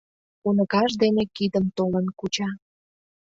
Уныкаж дене кидым толын куча.